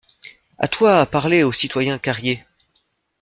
A toi à parler au citoyen Carrier.